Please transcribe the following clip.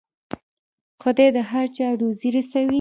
خدای د هر چا روزي رسوي.